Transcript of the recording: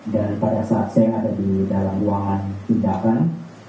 dan pada saat saya ada di dalam ruangan tindakan